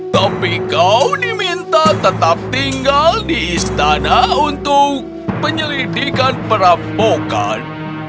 tapi kau diminta tetap tinggal di istana untuk penyelidikan perapokan